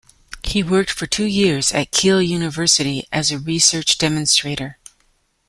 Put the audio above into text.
He worked for two years at Keele University as a research demonstrator.